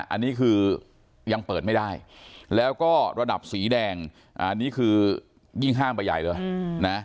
อันนี้คือยังเปิดไม่ได้แล้วก็ระดับสีแดงอันนี้คือยิ่งห้ามไปใหญ่เลยนะ